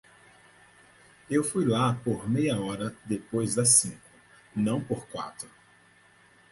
Eu fui lá por meia hora depois das cinco, não por quatro.